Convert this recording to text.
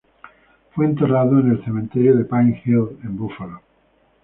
Fue enterrado en el cementerio Pine Hill en Buffalo.